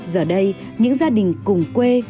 giờ đây những gia đình cùng quê